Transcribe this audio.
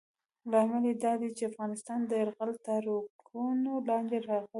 لامل یې دا دی چې افغانستان یرغلګرو تاړاکونو لاندې راغلی.